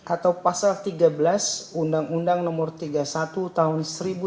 atau pasal tiga belas undang undang nomor tiga puluh satu tahun seribu sembilan ratus sembilan puluh